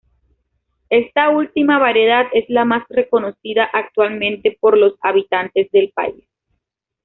Esta última variedad es la más reconocida actualmente por los habitantes del país.